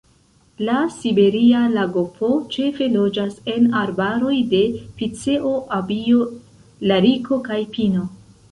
La Siberia lagopo ĉefe loĝas en arbaroj de piceo, abio, lariko kaj pino.